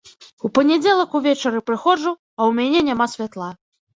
У панядзелак увечары прыходжу, а ў мяне няма святла.